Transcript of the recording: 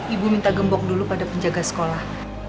ibu minta gembok dulu pada penjaga sekolah